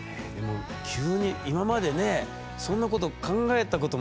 急に今までねそんなこと考えたこともないでしょう？